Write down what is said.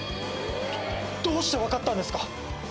どどうして分かったんですか？